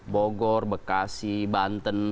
bogor bekasi banten